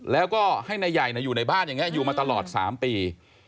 แล้วก็ให้นายใหญ่อยู่ในบ้านอย่างนี้อยู่มาตลอด๓ปี